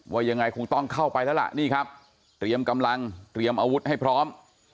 ว่ายังไงคงต้องเข้าไปแล้วล่ะนี่ครับเตรียมกำลังเตรียมอาวุธให้พร้อม